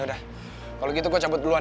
yaudah kalo gitu gue cabut duluan ya